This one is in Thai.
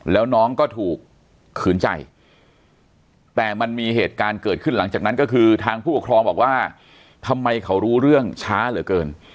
แล้วน้องก็ถูกขืนใจแต่มันมีเหตุการณ์เกิดขึ้นหลังจากนั้นก็คือทางผู้ปกครองบอกว่าทำไมเขารู้เรื่องช้าเหลือเกิน